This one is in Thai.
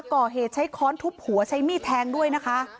ก่อเหตุใช้ค้อนทุบหัวใช้มีดแทงด้วยนะคะ